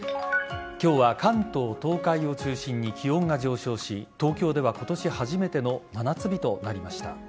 今日は関東、東海を中心に気温が上昇し東京では今年初めての真夏日となりました。